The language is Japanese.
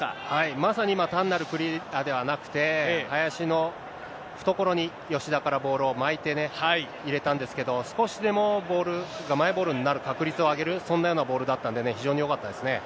まさに今、単なるクリアではなくて、林の懐に吉田からボールを巻いてね、入れたんですけど、少しでもボールが、マイボールになるボールを上げる、そんなようなボールだったんでね、非常によかったですね。